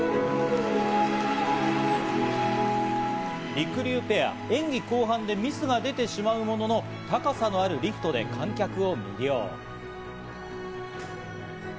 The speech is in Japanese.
りくりゅうペア、演技後半でミスが出てしまうものの、高さのあるリフトで観客を魅了。